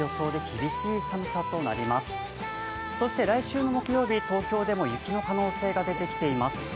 来週の木曜日、東京でも雪の可能性が出てきています。